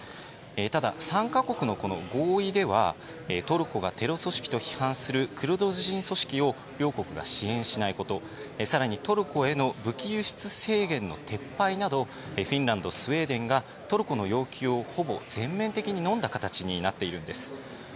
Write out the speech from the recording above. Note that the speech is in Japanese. ただ、３か国の合意ではトルコがテロ組織と批判するクルド人組織を両国が支援しないこと更にトルコへの武器輸出制限の撤廃などフィンランド、スウェーデンがトルコの要求をほぼ全面的にのんだ形になっているんです。